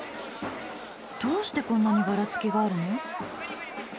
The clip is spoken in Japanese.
どうしてこんなにバラつきがあるの？